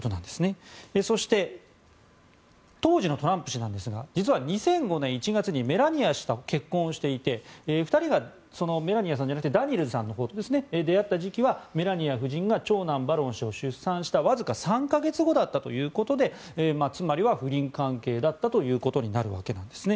そして、当時のトランプ氏ですが実は２００５年１月にメラニア氏と結婚をしていて２人が、メラニアさんではなくてダニエルズさんのほうと出会った時期はメラニア夫人が長男・バロン氏を出産したわずか３か月後だったということでつまりは、不倫関係だったということになるわけです。